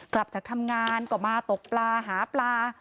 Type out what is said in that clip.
กลับจากทำงานก็มาตกปลาหาปลา